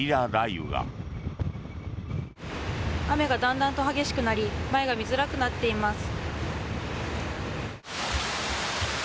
雨がだんだんと激しくなり前が見づらくなっています。